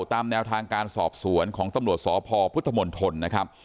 ตามแนวทางการสอบสวนของตำรวจสพพุทธมนตรนะครับ